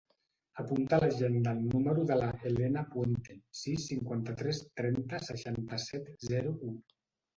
Apunta a l'agenda el número de la Helena Puente: sis, cinquanta-tres, trenta, seixanta-set, zero, u.